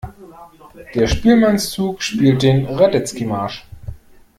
Der Spielmannszug spielt den Radetzky-Marsch.